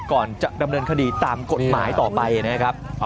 ก่อนจะดำเนินคดีตามกฎหมายต่อไปนะครับ